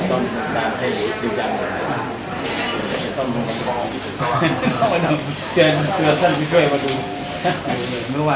๑ตั้ง๑เดียว